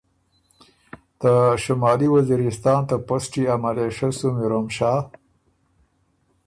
ته شمالي وزیرستان ته پسټی ا ملېشه سُو میروم شاه